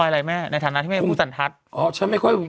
หมอนี่ที่ขาก็มีด้วย